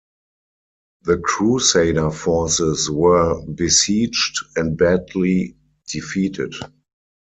The crusader forces were besieged and badly defeated.